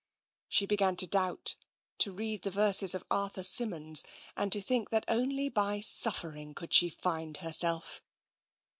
She began to doubt, to read the verses of Arthur Symons, and to think that only by suffering could she find herself.